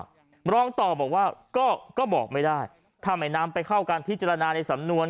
รองต่อบอกว่าก็บอกไม่ได้ถ้าไม่นำไปเข้าการพิจารณาในสำนวน